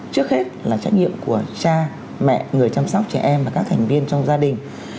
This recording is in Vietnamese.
trước hết là trách nhiệm của cha mẹ người chăm sóc trẻ em và các thành viên trong gia đình